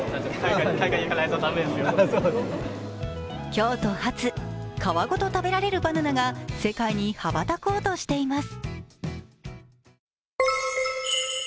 京都発、皮ごと食べられるバナナが世界に羽ばたこうとしています。